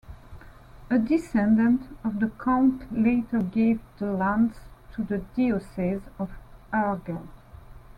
A descendant of the count later gave the lands to the Diocese of Urgell.